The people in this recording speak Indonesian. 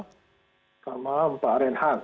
selamat malam pak renhan